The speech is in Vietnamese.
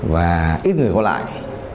và ít người có lại